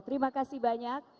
terima kasih banyak